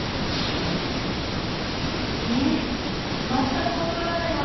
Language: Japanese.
ええ全く分からないわ。